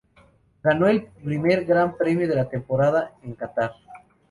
Ganó el primer Gran Premio de la temporada en Catar.